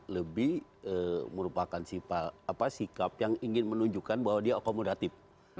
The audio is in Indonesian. lebih merupakan sikap yang ingin menunjukkan bahwa dia akomodatif